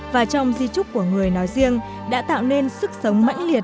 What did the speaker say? và trong di trúc của người nói riêng đã tạo nên sức sống mãnh liệt